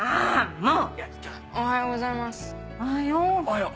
もう！